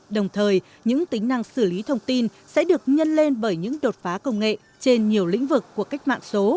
đồng thời những tính năng xử lý thông tin sẽ được nhân lên bởi những đột phá công nghệ trên nhiều lĩnh vực của cách mạng số